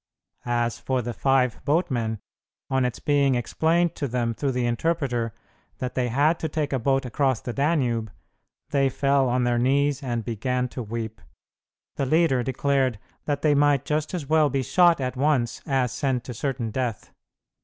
As for the five boatmen, on its being explained to them through the interpreter that they had to take a boat across the Danube, they fell on their knees and began to weep. The leader declared that they might just as well be shot at once as sent to certain death.